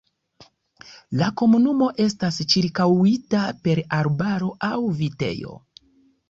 La komunumo estas ĉirkaŭita per arbaro aŭ vitejo.